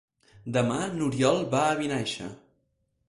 Demà n'Oriol va a Vinaixa.